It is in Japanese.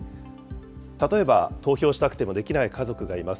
例えば、投票したくてもできない家族がいます。